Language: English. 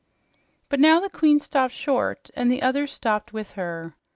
But now the queen stopped short, and the others stopped with her.